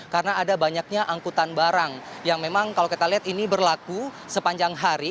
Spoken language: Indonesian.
karena ada banyaknya angkutan barang yang memang kalau kita lihat ini berlaku sepanjang hari